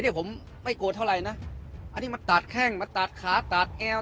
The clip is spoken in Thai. เนี่ยผมไม่โกรธเท่าไหร่นะอันนี้มันตัดแข้งมันตัดขาตัดเอว